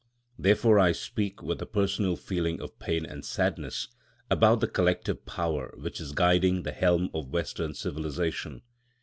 Therefore I speak with a personal feeling of pain and sadness about the collective power which is guiding the helm of Western civilisation.